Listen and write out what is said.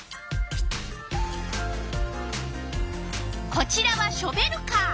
こちらはショベルカー。